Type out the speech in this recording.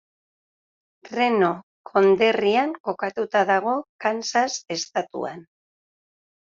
Reno konderrian kokatuta dago, Kansas estatuan.